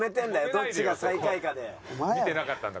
どっちが最下位かで。